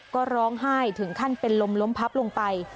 ก็ร้องไห้ถึงขั้นเป็นลมล้มพับลงไป